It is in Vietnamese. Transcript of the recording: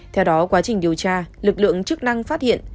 theo đó quá trình điều tra lực lượng chức năng phát hiện